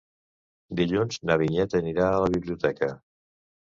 Dilluns na Vinyet anirà a la biblioteca.